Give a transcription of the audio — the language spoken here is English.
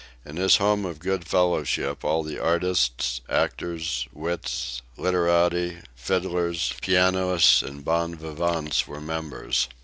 In this home of good fellowship all the artists, actors, wits, literati, fiddlers, pianists and bon vivants were members.